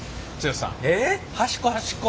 端っこ端っこ！